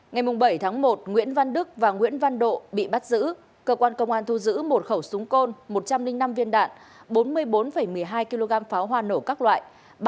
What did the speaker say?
ngày bảy tháng một nguyễn văn đức và nguyễn văn độ bị bắt giữ cơ quan công an thu giữ một khẩu súng côn một trăm linh năm viên đạn bốn mươi bốn một mươi hai kg pháo hoa nổ các loại